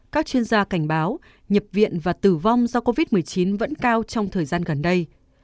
các chuyên gia cảnh báo nhập viện và tử vong do covid một mươi chín vẫn cao trong thời gian gần đây